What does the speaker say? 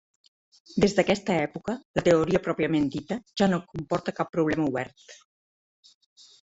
Des d'aquesta època, la teoria pròpiament dita ja no comporta cap problema obert.